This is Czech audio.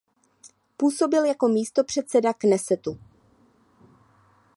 Působil jako místopředseda Knesetu.